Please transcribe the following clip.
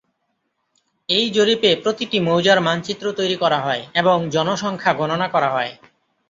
এই জরিপে প্রতিটি মৌজার মানচিত্র তৈরি করা হয় এবং জনসংখ্যা গণনা করা হয়।